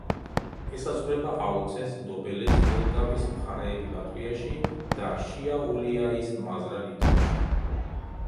ესაზღვრება აუცეს, დობელეს, ელგავის მხარეები ლატვიაში და შიაულიაის მაზრა ლიტვაში.